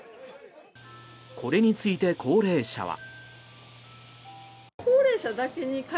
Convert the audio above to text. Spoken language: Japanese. これについて高齢者は。